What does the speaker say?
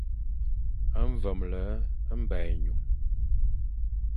Vemle mba ényum.